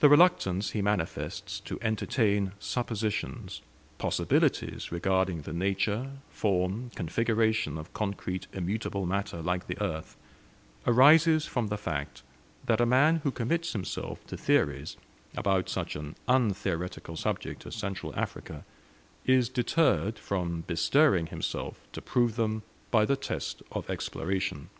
The reluctance he manifests to entertain suppositions, possibilities regarding the nature, form, configuration of concrete immutable matter like the earth, arises from the fact, that a man who commits himself to theories about such an untheoretical subject as Central Africa is deterred from bestirring himself to prove them by the test of exploration.